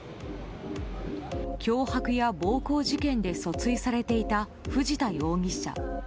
脅迫や暴行事件で訴追されていた藤田容疑者。